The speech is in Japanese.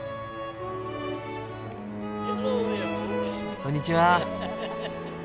こんにちは。